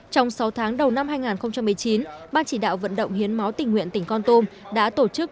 trong sáu tháng đầu năm hai nghìn một mươi chín ban chỉ đạo vận động hiến máu tỉnh nguyện tỉnh con tum đã tổ chức